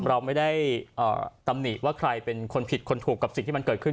เราไม่ได้ตำหนิว่าใครเป็นคนผิดคนถูกกับสิ่งที่มันเกิดขึ้น